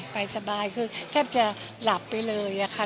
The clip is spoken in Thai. ไปสบายคือแทบจะหลับไปเลยอะค่ะ